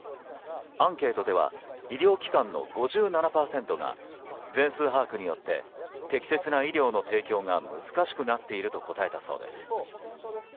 アンケートでは医療機関の５７％が全数把握によって適切な医療の提供が難しくなっていると答えたそうです。